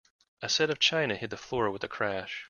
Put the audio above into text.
The set of china hit the floor with a crash.